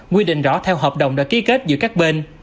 quy định rõ theo hợp đồng đã ký kết giữa các bên